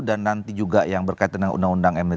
dan nanti juga yang berkaitan dengan undang undang md tiga